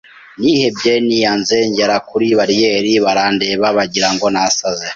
nihebye niyanze ngera kuri bariyeri barandeba bagira ngo nasaze